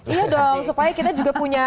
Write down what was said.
iya dong supaya kita juga punya